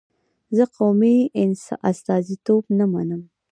زه قومي استازیتوب نه منم.